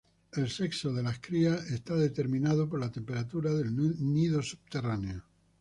El sexo de las crías es determinada por la temperatura del nido subterráneo.